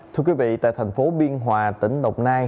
thưa quý vị tại thành phố biên hòa tỉnh đồng nai